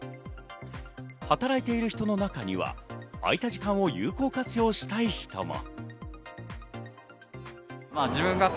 働いてる人の中には空いた時間を有効活用したい人も。